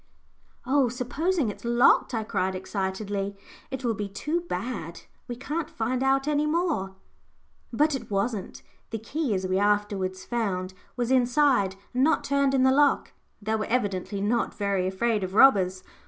"Oh! supposing it's locked," I cried, excitedly; "it will be too bad. We can't find out any more." But it wasn't. The key, as we afterwards found, was inside, and not turned in the lock. They were evidently not very afraid of robbers.